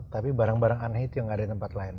tapi barang barang aneh itu yang ada di tempat lain